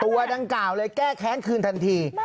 ตัวดังกล่าวเลยแก้แค้นคืนทันที